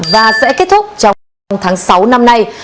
và sẽ kết thúc trong tháng sáu năm nay